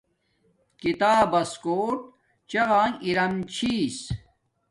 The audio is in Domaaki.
کتاب بس کوٹ چغانݣ ارم چھی